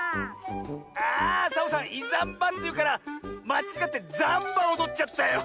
あサボさん「いざんば」っていうからまちがってザンバおどっちゃったよ。